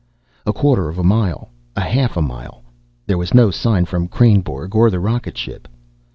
A quarter of a mile. Half a mile. There was no sign from Kreynborg or the rocket ship.